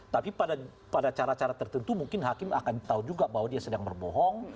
tapi pada cara cara tertentu mungkin hakim akan tahu juga bahwa dia sedang berbohong